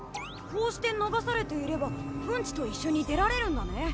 こうして流されていればウンチと一緒に出られるんだね。